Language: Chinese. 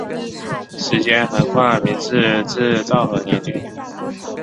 时间横跨明治至昭和年间。